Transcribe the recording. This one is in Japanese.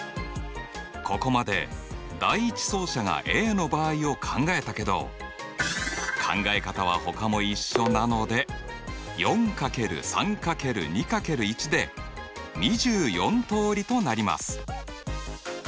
ここまで第１走者がＡの場合を考えたけど考え方はほかも一緒なので４×３×２×１で２４通りとなります！